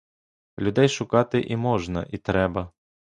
Людей шукати і можна, і треба.